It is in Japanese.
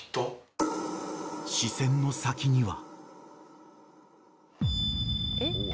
［視線の先には］